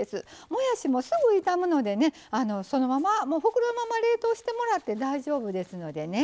もやしもすぐ傷むのでねそのままもう袋のまま冷凍してもらって大丈夫ですのでね。